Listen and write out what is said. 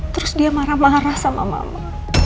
terus dia marah marah sama mama